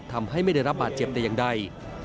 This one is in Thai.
ทำให้ไม่ได้รับบาดเจ็บแต่อย่างใด